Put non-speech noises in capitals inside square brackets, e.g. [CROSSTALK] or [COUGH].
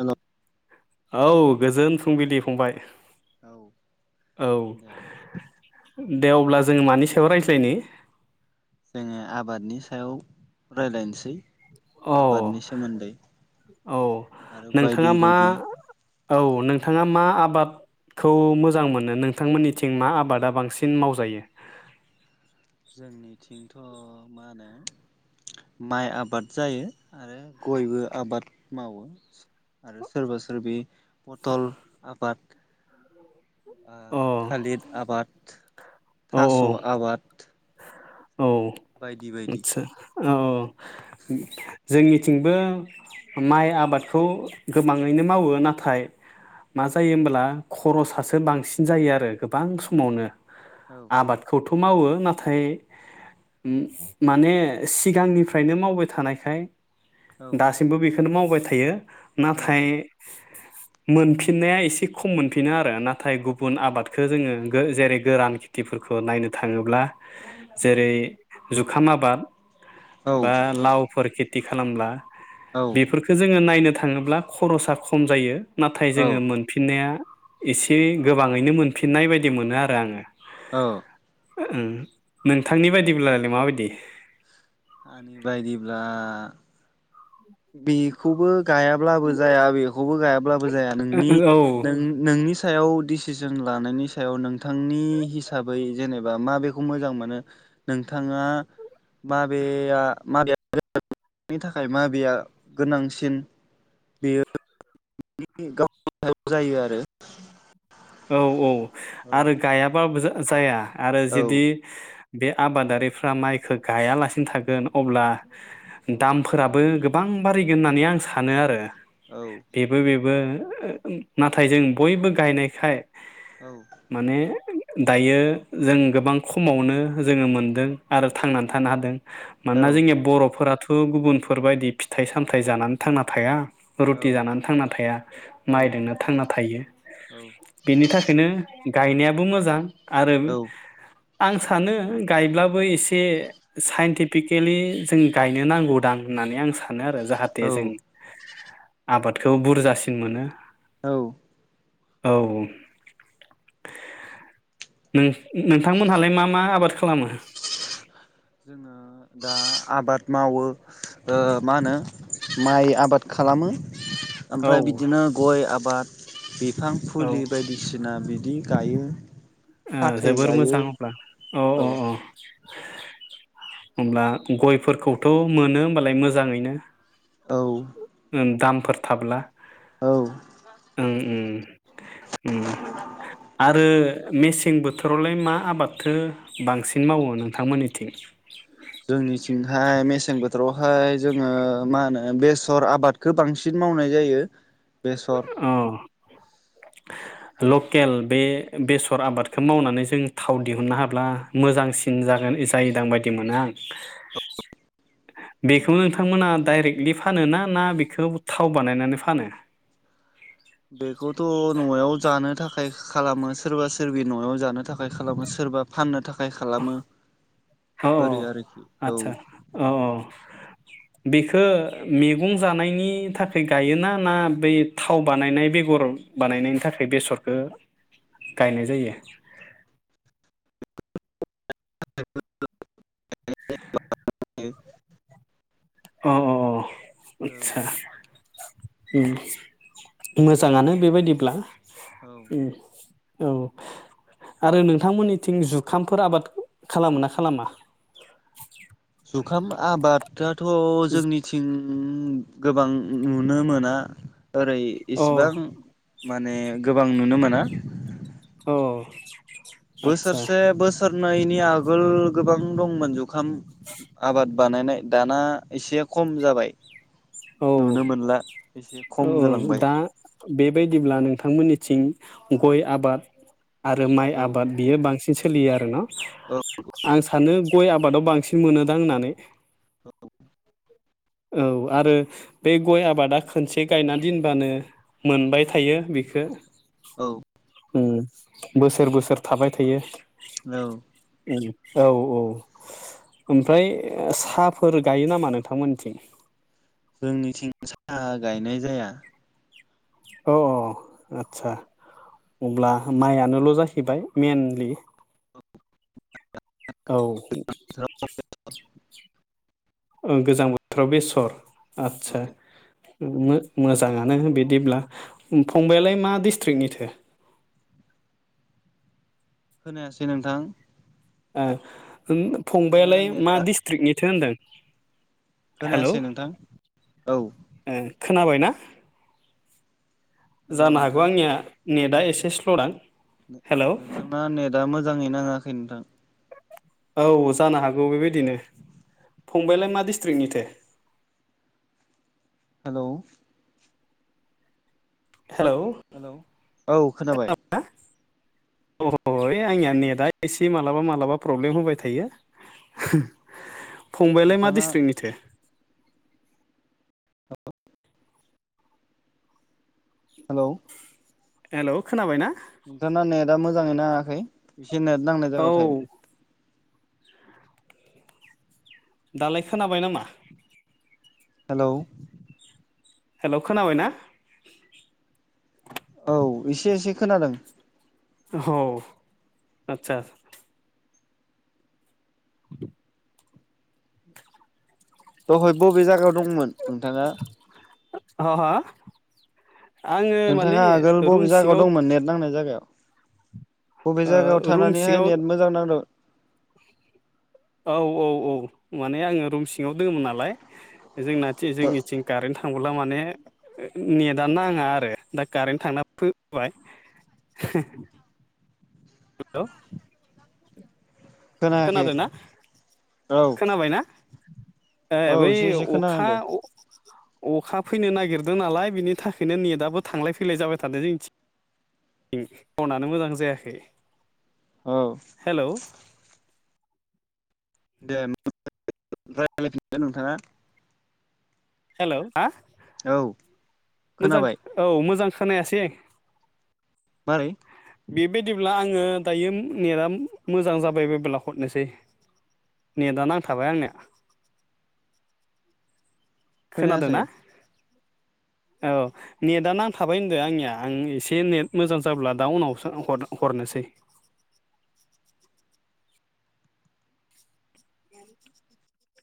Hello औ गोजोन फुंबिलि फंबाय। औ औ दे दे अब्ला जोंङो मानि सायाव रायज लायनि ओ आबादनि सायाव रायलायनोसै। औ आबादनि सोमोन्दै औ आरो बायदि नोंथाङा मा बायदि औ नोंथाङा मा आबादखौ मोजां मोनो नोंथांमोननिथिं मा आबादा बांसिन मावजायो? जोंनिथिंथ' मा होनो माइ आबाद जायो आरो गयबो आबाद मावो आरो सोरबा सोरबि पथल आबाद ओ अ औ थालिर आबाद औ थास' आबाद औ बायदि बायदि आदसा औ औ जोंनिथिंबो माइ आबादखौ गोबाङैनो मावो नाथाय मा जायो होमब्ला खरसासो बांसिन जायो आरो गोबां समावनो। औ आबादखौथ' मावो नाथाय ओम माने सिगांनिफ्रायनो मावबाय थानायखाय औ - दासिमबो बे खोनो मावबाय थायो। औ नाथाय मोनफिननाया एसे खम मोनफिनो आरो नाथाय गुबुन आबादखौ जोङो गो जेरै- गोरान खेथिफोरखौ नायनो थाङोब्ला औ जेरै - खाम आबाद बा औ लावफोर खिथ थि खालामब्ला औ बेफोरखौ जोङो नायनो थाख ङोब्ला खरसा खम जायो। नाथाय औ जोङो मोनफिननाया एसे गोबाङैनो मोनफिननाय बायदि मोनो आरो आङो। औ ओम नोंथांनि बायदिब्लालाय माबाय दि आंनि बायदिब्ला बेखौबो गायाब्लाबो जाया बेखौबो गायाब्लाबो जाया नोंनि औ नों नोंनि सायाव डिसिसन लानायनि सायाव नोंथांनि हिसाबै जेनेबा माबेखौ मोजां मोनो नोंथाङा माबेया माबेनि थाखाय माबेया गोनांसिन बेयो [UNINTELLIGIBLE] गावनि सायाव जायो आरो औ औ आरो औ गायाबाबो जाया आरो जेदि बे आबादारिफ्रा माइखो गायालासिनो थागोन अब्ला दामफोराबो गोबां बारिगोन होननानै आं सानो आरो। औ बेबो बेब बो ओ ओम नाथाय जों बयबो गायनाय खाय औ माने [UNINTELLIGIBLE] दायो जों गोबां खमावनो जोङो मोनदों आरो थांनान थानो हादों। मानोना औ औ जोंनिया बर'फोराथ ओ गुबुनफोरबायदि फिथाइ सामथाइ जानानै थांना थाया। रुटि जानानै थांना थाया माइदोंनो थांना थायो। बिनि थाखायनो गायनायाबो मोजां। आरोम औ आं सानो गायब्लाबो एसे साइन्टिफिकेलि जों गायनो नांगौ दां होननानै आं सान सानो आरो जाहाथे औ जों आबादखौ बुरजासिन मोनो। औ औ नों नोंथांमोनहालाय मा मा आबाद खालामो? जोङो दा आबाद मावो ओ मा होनो माइ आबाद खालामो। औ ओमफ्राय बिदिनो गय आबाद बे फां औ फुलि बायदिसिना बि दि गायो। ओ फाथै जोबोर गायो मोजां अब्ला अ औ अ अ। अब्ला गयफोरखौथ' मोनो होमबालाय मोजाङैनो। औ ओम दामफोर थाब्ला। औ उम आरो मेसें बोथोरावलाय मा आबादथो बांसिन मावो नोंथांमोननिथिं? जोंनिथिंहाय मेसें बोथोरावहाय जोङो मा होनो बेसर आबादखो बांसिन मावनाय जायो। बेसर औ लकेल बे बेसर आबादखौ मावनानै जों थाव दिहुननो हाब्ला मोजांसिन जागोन जायोदां बायदि मोनो आं। बेखौ नोंथांमोना डाइरेक्टलि फानो ना ना बेखौ थाव बानायनानै फानो? बेखौथ' न'आव जानो थाखाय खालामो सोरबा सोरबि न'याव जानो थाखाय खालामो सोरबा फाननो थाखा थाखाय खालामो औ ओरै आरोखि औ। बेखो मेगं जानायनि थाखाय गायोना ना बै थाव बानायनाय बेगर बानायनायनि थाखाय बेसरखो गायनाय जायो? [UNINTELLIGIBLE] अ अ अ अ। औ आतसा उम मोजाङानो बेबायदिब्ला। औ उम औ आरो नोंथांमोननिथिं जुखामफोर आबाद खालामो ना खालामा? दाथ' जोंनिथिं गोबां नुनो मोना। ओरै अ इसिबां माने गोबां नुनो मोना औ आदसा बोसोरसे बोसोर जुुनायनि आगोल गोबां दंमोन जुखाम आबाद बानायनाय दाना एसे खम जाबाय। औ नुनो मोनला एसे खम औ जालांबाय दा बेबायदिब्ला नोंथांमोननिथिं गय आबाद आरो माइ औ आबाद बियो बांसिन बि सोलियो आरो न' औ आं सानो। गय आबादाव बांसिन मोनोदां होननानै। औ औ आरो बे गय आबादा खोनसे गायना दोनबानो मोनबाय थायो बेखो। औ उम। बोसोर बोसोर थाबाय थायो। औ औ औ ओमफ्राय साहाफोर गायो नामा नोंथांमोनथिं? जोंनिथिं साहा गायनाय जाया। औ औ आदसा अब्ला माइयानोल' जाहैबाय मेनलि। औ ओं गोजां बोथोराव बेसर। औ आदसा मो-मोजाङानो बिदिब्ला फंबायालाय मा डिस्ट्रिकनिथो? खोनायासै नोंथां। ओ ओं नोंथांना फंबायालाय मा नेटआ डिस्ट्रिकनिथो होन्दों। खोनायासै नोंथां औ। खोनाबाय ना? हेलौ जानो हागौ आंनिया नेटआ एसे स्ल' दां नोंथां ना नेद दा मोजाङै नाङाखै नोंथां औ जानो हागौ बेबायदिनो फंबायलाय मा डिस्ट्रिक्निथो? हेल हेल' हेल औ खोनाबाय अओ आंनिया नेटआ एसे मालाबा मालाबा प्रब्लेम होबाय थायो। फंबायलाय मा नोंथाङा डिस्ट्रिक्टनिथो? हेलौ हेल खोनाबाय ना? नोंथा ना नेद दा मोजाङैनो नाङाखै इसे नेद नांनाय जायगायाव थाहोयदो औ दालाय खोनाबाय नामा? हेलौ हेल खोनाबायना? औ एसे एसे खोनादों औ आतसा दहाय बबे जायगायाव दंमोन? नोंथाङा [UNINTELLIGIBLE] माने नोंथाङा आगोल रुम बबे सिङाव जायगायाव दंमोन नेट नांनाय जायगायाव बबे जायगायाव ओ रुम थानानैहाय सिङाव नेट मोजां नांदों औ औ माने आङो रुम सिङाव दङमोन नालाय जोंनाथिं जोंनिथिं कारेन्ट थांबोब्ला माने [UNINTELLIGIBLE] नेटआ नाङा आरो दा कारेन्ट थांना फैबा हेल खोनायाखै खोनादों ना औ खोनाबाय ना? ए औ बै एसे एसे अखा खोनाहांदो अखा फैनो नागिरदों नालाय बिनि थाखायनो नेटआबो थांलाय फैलाय जाबाय थादों जों रउनानो मोजां जायाखै औ हेल' दे राय [UNINTELLIGIBLE] फिनदो नोंथाङा हेल हा औ मोजां खोनाबाय औ मोजां खोनायासै। मारै? बेबायदिब्ला आङो दायो नेटआ मोजां जाबाय बायोब्ला हरनोसै नेटआ नांथाबाय आंनिया। खोनायासै खोनादोंना? औ नेटआनो नांथाबाय होनदों आंनिया आं एसे नेट मोजां जाब्ला दा उनावसो हरनोसै।